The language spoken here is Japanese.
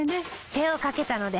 手をかけたので。